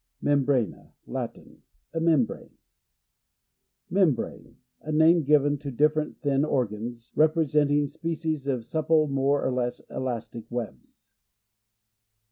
Membrana Latin. A membrane. Membrane. — A name given to differ ent thin organs, representing spe cies of supple, more or less elastic, webs.